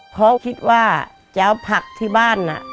เพราะคิดว่าจะเอาผักที่บ้าน